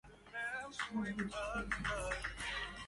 يا أحمد الخير يا من